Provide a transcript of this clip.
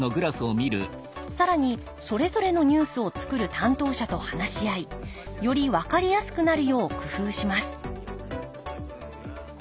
更にそれぞれのニュースを作る担当者と話し合いより分かりやすくなるよう工夫します